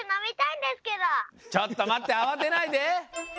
ちょっとまってあわてないで。